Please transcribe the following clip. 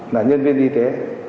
là nhân viên y tế